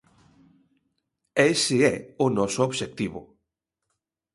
E ese é o noso obxectivo.